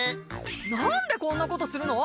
なんでこんなことするの！？